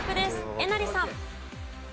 えなりさん。